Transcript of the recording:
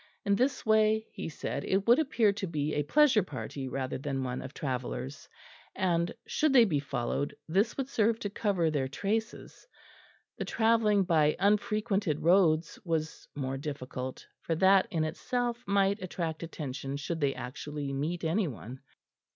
In this way, he said, it would appear to be a pleasure party rather than one of travellers, and, should they be followed, this would serve to cover their traces. The travelling by unfrequented roads was more difficult; for that in itself might attract attention should they actually meet any one.